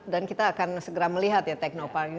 dan kita akan segera melihat ya teknopark ini